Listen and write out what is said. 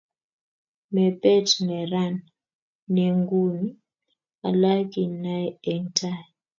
mepet neran nengung' alak inae eng' tai